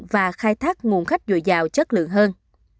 và khai thác nguồn khách dồi dào chất lượng hơn